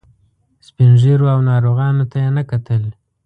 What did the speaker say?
سپین ږیرو او ناروغانو ته یې نه کتل.